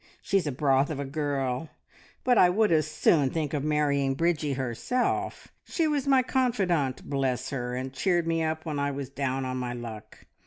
"She's a broth of a girl, but I would as soon think of marrying Bridgie herself. She was my confidante, bless her, and cheered me up when I was down on my luck.